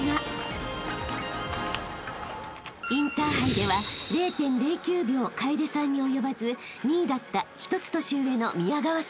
［インターハイでは０．０９秒楓さんに及ばず２位だった１つ年上の宮川選手］